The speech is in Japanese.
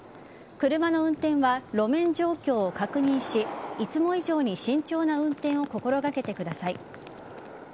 車の運転は路面状況を確認しいつも以上に慎重な運転を心がけてください。